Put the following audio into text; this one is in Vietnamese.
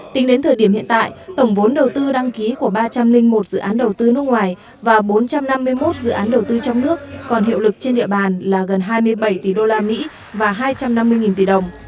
tính đến thời điểm hiện tại tổng vốn đầu tư đăng ký của ba trăm linh một dự án đầu tư nước ngoài và bốn trăm năm mươi một dự án đầu tư trong nước còn hiệu lực trên địa bàn là gần hai mươi bảy tỷ usd và hai trăm năm mươi tỷ đồng